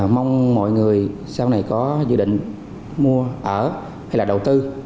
mong mọi người sau này có dự định mua ở hay là đầu tư